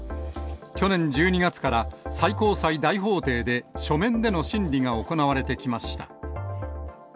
去年１２月から最高裁大法廷で書面での審理が行われてきました。